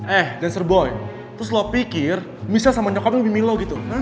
eh dancer boy terus lo pikir michelle sama nyokapnya lebih milo gitu